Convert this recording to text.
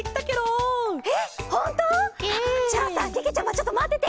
ちょっとまってて！